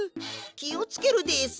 きをつけるです。